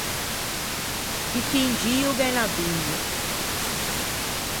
Tutt’in gio gh’é un abimmo.